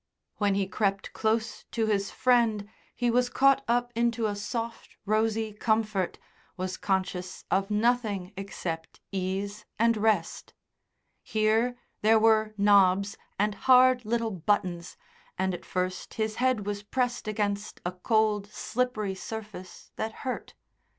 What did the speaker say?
When he crept close to his friend he was caught up into a soft, rosy comfort, was conscious of nothing except ease and rest. Here there were knobs and hard little buttons, and at first his head was pressed against a cold, slippery surface that hurt.